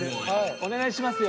お願いしますよ。